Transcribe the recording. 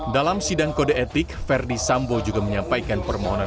dalam sidang kode etik verdi sambo juga menyampaikan permohonan